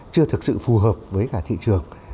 chưa thực sự phù hợp với cả thị trường